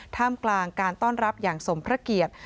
ท่ามกลางการต้อนรับอย่างสมพระเกียรติ